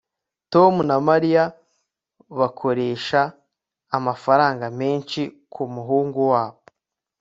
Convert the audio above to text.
tom na mariya bakoresha amafaranga menshi kumuhungu wabo